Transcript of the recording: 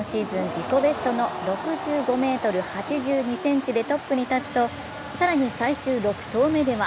自己ベストの６５ｍ８２でトップに立つと、更に最終、６投目では